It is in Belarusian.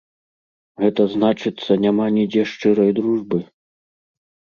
Гэта значыцца, няма нідзе шчырай дружбы?